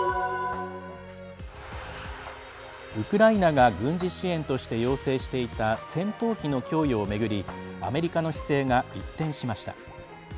ウクライナが軍事支援として要請していた戦闘機の供与をめぐりアメリカの姿勢が一転しました。